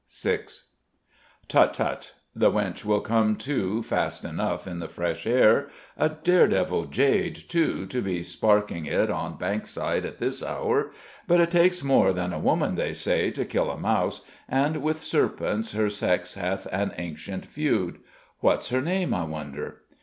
VI "Tut! tut! the wench will come to fast enough in the fresh air. A dare devil jade, too, to be sparking it on Bankside at this hour! But it takes more than a woman, they say, to kill a mouse, and with serpents her sex hath an ancient feud. What's her name, I wonder?"